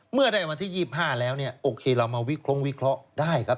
เมื่อได้วันที่๒๕แล้วโอเคเรามาวิเคราะห์ได้ครับ